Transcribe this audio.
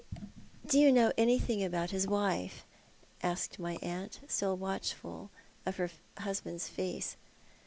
" Do you know anything about his wife ?" asked my aunt, still watchful of her husband's face.